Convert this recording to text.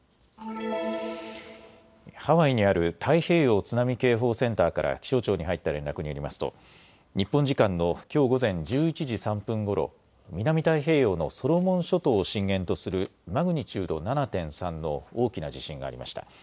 ハワイにある太平洋津波警報センターから気象庁に入った連絡によりますと、日本時間のきょう午前１１時３分ごろ、南太平洋のソロモン諸島を震源とするマグニチュード７．３の大きな地震がありました。